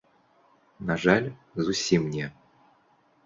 На жаль, зусім не.